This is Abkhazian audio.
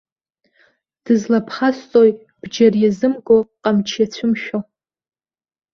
Дызлаԥхасҵои бџьар иазымго, ҟамч иацәымшәо?